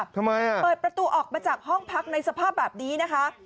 ทำไมอ่ะเปิดประตูออกมาจากห้องพักในสภาพแบบนี้นะคะ